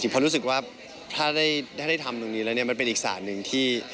เพราะรู้สึกว่าถ้าได้ทำตรงนี้แล้วมันเป็นอีกสารหนึ่งที่